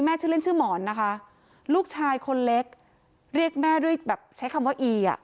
ชื่อเล่นชื่อหมอนนะคะลูกชายคนเล็กเรียกแม่ด้วยแบบใช้คำว่าอีอ่ะ